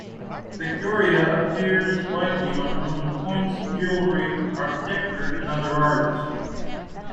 Victoria appears widely on Roman coins, jewelry, architecture, and other arts.